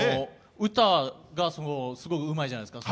歌がすごいうまいじゃないですか。